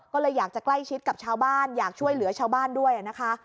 ก็เลยอยากจะใกล้ชิดกับชาวบ้านอยากช่วยเหลือชาวบ้านด้วยนะคะ